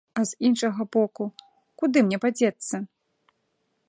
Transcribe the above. А з іншага боку, куды мне падзецца?